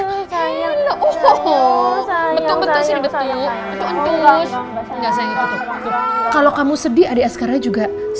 askaranya juga enggak nangis ya udah berdoa ya nangis kalau kamu sedih adik askaranya juga enggak nangis ya